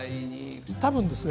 多分ですね